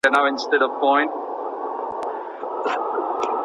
ولي بریا یوازي د استعداد پر ځای هڅي ته اړتیا لري؟